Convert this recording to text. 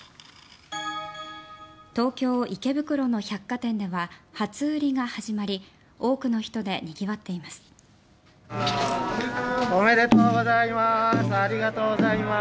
東京・池袋の百貨店では初売りが始まり多くの人でにぎわっています。